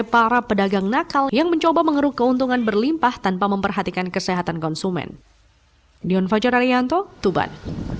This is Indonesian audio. para pedagang nakal yang mencoba mengeruk keuntungan berlimpah tanpa memperhatikan kesehatan konsumen